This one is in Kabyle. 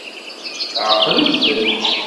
Ɛeqlet-d.